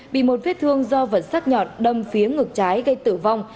bị một viết thương do vật sắc nhọt đâm phía ngược trái gây tử vong